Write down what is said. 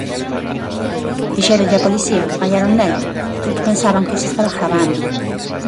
Dixéronlle á policía que mallaron nel porque pensaban que os estaba gravando.